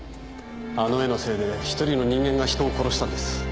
あの絵のせいでひとりの人間が人を殺したんです。